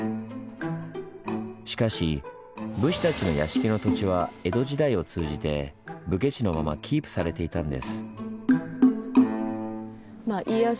しかし武士たちの屋敷の土地は江戸時代を通じて武家地のままキープされていたんです。